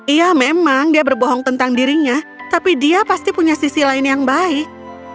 iya memang dia berbohong tentang dirinya tapi dia pasti punya sisi lain yang baik